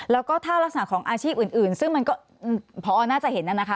แล้วก็ถ้ารักษณของอาชีพอื่นซึ่งมันก็พอน่าจะเห็นนั่นนะคะ